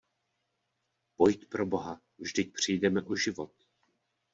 Pojď, pro Boha, vždyť přijdeme o život.